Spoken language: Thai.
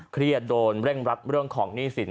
เครียดโดนเร่งรัดเรื่องของหนี้สิน